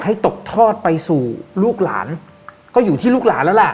ให้ตกทอดไปสู่ลูกหลานก็อยู่ที่ลูกหลานแล้วล่ะ